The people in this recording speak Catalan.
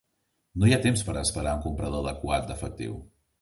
No hi ha temps per a esperar a un comprador adequat d'efectiu.